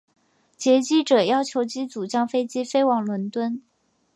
劫机者要求机组将飞机飞往伦敦。